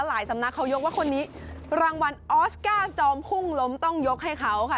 สำนักเขายกว่าคนนี้รางวัลออสการ์จอมพุ่งล้มต้องยกให้เขาค่ะ